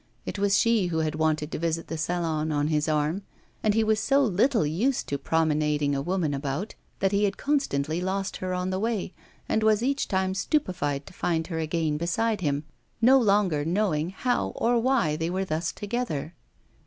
It was she who had wanted to visit the Salon on his arm, and he was so little used to promenading a woman about, that he had constantly lost her on the way, and was each time stupefied to find her again beside him, no longer knowing how or why they were thus together.